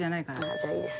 じゃあいいです。